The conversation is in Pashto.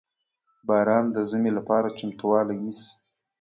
• باران د ژمي لپاره چمتووالی نیسي.